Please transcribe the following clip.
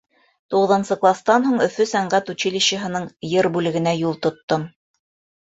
Туғыҙынсы кластан һуң Өфө сәнғәт училищеһының йыр бүлегенә юл тоттом.